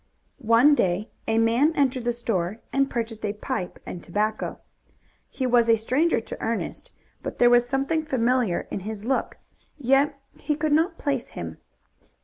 One day a man entered the store and purchased a pipe and tobacco. He was a stranger to Ernest, but there was something familiar in his look, yet he could not place him.